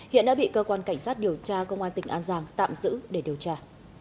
hiện đã bị cơ quan cảnh sát điều tra công an tỉnh an giang tạm giữ để điều tra